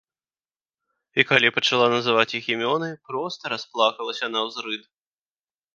І калі пачала называць іх імёны, проста расплакалася наўзрыд.